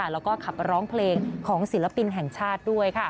แล้วก็ขับร้องเพลงของศิลปินแห่งชาติด้วย